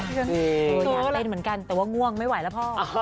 อยากเป็นเหมือนกันแต่ว่าง่วงไม่ไหวแล้วพ่อ